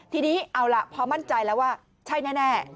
ทีนี้เอาล่ะพอมั่นใจแล้วว่าใช่แน่